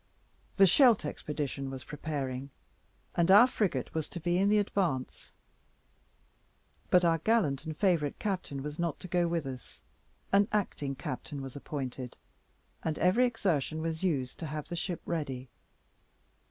The Scheldt expedition was preparing, and our frigate was to be in the advance; but our gallant and favourite captain was not to go with us; an acting captain was appointed, and every exertion was used to have the ship ready.